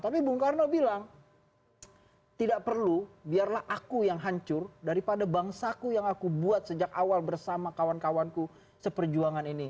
tapi bung karno bilang tidak perlu biarlah aku yang hancur daripada bangsaku yang aku buat sejak awal bersama kawan kawanku seperjuangan ini